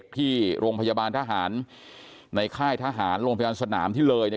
ที่โรงพยาบาลทหารในค่ายทหารโรงพยาบาลสนามที่เลยเนี่ย